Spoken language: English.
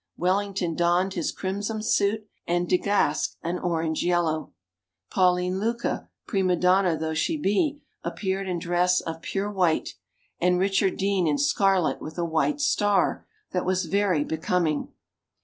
Wellington donned his crimson suit, and De Gasx an orange yellow; Pauline Lucca, prima donna though she be, appeared in dress of pure white, and Richard Dean in scarlet with a white star that was very becoming.